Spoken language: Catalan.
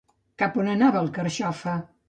Cap on anava el Carxofa?